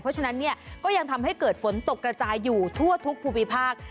เพราะฉะนั้นเนี่ยก็ยังทำให้เกิดฝนตกกระจายอยู่ทั่วทุกภูมิภาค